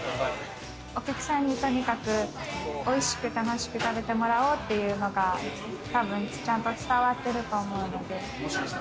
お客さんにとにかく美味しく楽しく食べてもらおうというのが、たぶんちゃんと伝わってると思うので。